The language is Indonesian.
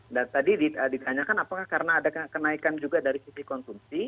nah tadi ditanyakan apakah karena ada kenaikan juga dari sisi konsumsi